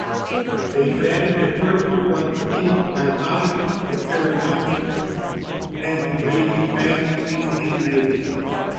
They bred the first yuan-ti by magically experimenting with and breeding men with snakes.